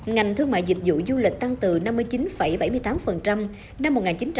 ngành thương mại dịch vụ du lịch tăng từ năm mươi chín bảy mươi tám năm một nghìn chín trăm tám mươi